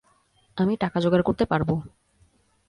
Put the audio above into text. আমি টাকা জোগাড় করতে পারবো।